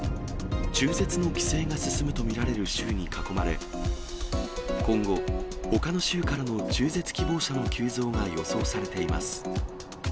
中絶の規制が進むと見られる州に囲まれ、今後、ほかの州からの中絶希望者の急増が予想されています。